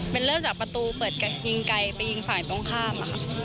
มันเริ่มจากประตูเปิดยิงไกลไปยิงฝ่ายตรงข้ามอะค่ะ